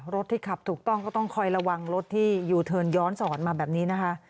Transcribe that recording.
รถที่ขับถูกต้องก็ต้องคอยระวังรถที่ยูเทิร์นย้อนสอนมาแบบนี้นะคะ